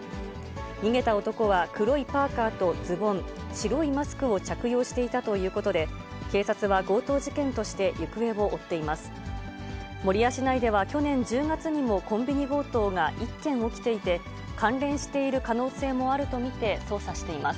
逃げた男は黒いパーカーとズボン、白いマスクを着用していたということで、警察は強盗事件として行方を追っています。